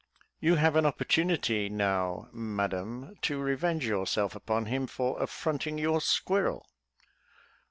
You have an opportunity now, Madam, to revenge yourself upon him for affronting your squirrel.